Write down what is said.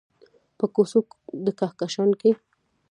په کوڅو د کهکشان کې